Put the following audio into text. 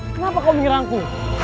kenapa kau menyerangku